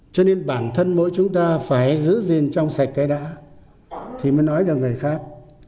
cho nên bản thân mỗi chúng ta phải giữ gìn trong sạch cái đó thì mới nói được người khác